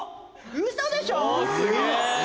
ウソでしょ